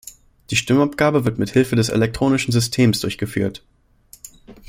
Die Stimmabgabe wird mit Hilfe des elektronischen Systems durchgeführt.